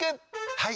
はい。